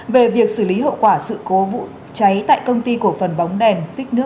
về việc xử lý hậu quả sự cố vụ cháy tại công ty của phần bóng đèn